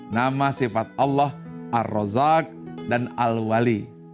nama sifat allah ar rozak dan al wali